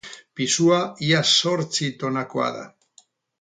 Pisua ia zortzi tonakoa da.